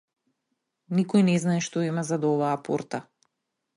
Никој не знае што има зад оваа порта.